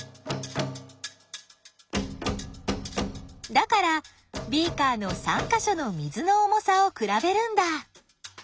だからビーカーの３か所の水の重さを比べるんだ。